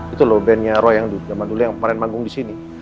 itu loh bandnya roy yang zaman dulu yang pemerintah manggung di sini